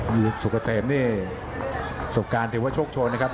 สุกเกษมนี่สบการณ์ถือว่าโชคโชนนะครับ